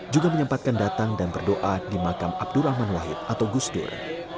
juga menyempatkan datang dan berdoa di makam abdurrahman wahid atau gusdur